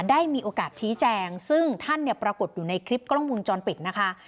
ได้มีโอกาสชี้แจงซึ่งท่านเนี่ยปรากฏอยู่ในคลิปกล้องวงจรปิดนะคะ